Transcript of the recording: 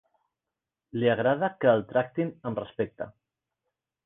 Li agrada que el tractin amb respecte.